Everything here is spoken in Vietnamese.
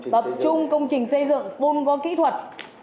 tập trung công trình xây dựng phun có kỹ thuật